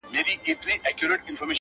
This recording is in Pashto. انصاف څه سو آسمانه زلزلې دي چي راځي-